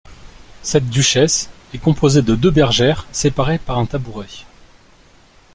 Cette duchesse est composée de deux bergères séparées par un tabouret.